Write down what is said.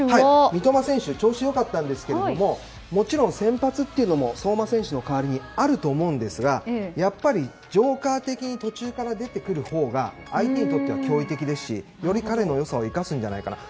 三笘選手は調子が良かったんですがもちろん先発も相馬選手の代わりにあると思うんですがやっぱり、ジョーカー的に途中から出てくるほうが相手にとっては脅威的ですし、より彼の良さを生かすんじゃないかなと。